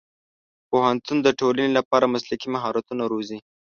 پوهنتون د ټولنې لپاره مسلکي مهارتونه روزي.